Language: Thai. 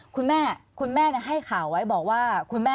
คุณแม่ให้ข่าวไว้บอกว่า